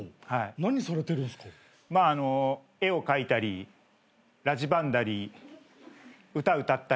まああの絵を描いたりラジバンダリ歌歌ったり。